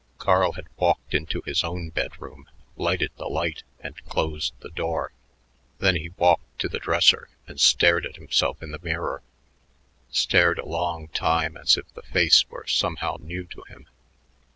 Carl had walked into his own bedroom, lighted the light, and closed the door. Then he walked to the dresser and stared at himself in the mirror, stared a long time as if the face were somehow new to him.